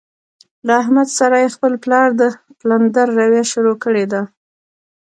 له احمد سره یې خپل پلار د پلندر رویه شروع کړې ده.